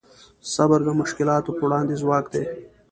صبر د مشکلاتو په وړاندې ځواک دی.